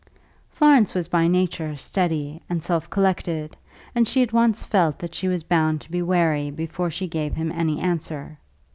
Florence was by nature steady and self collected, and she at once felt that she was bound to be wary before she gave him any answer.